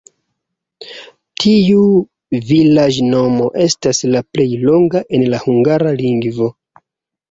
Tiu vilaĝnomo estas la plej longa en la hungara lingvo.